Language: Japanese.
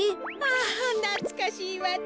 あなつかしいわね。